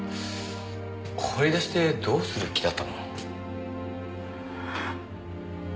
掘り出してどうする気だったの？